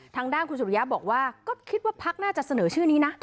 ทางด้านคุณสุริยะบอกว่าก็คิดว่าพักน่าจะเสนอชื่อนี้นะ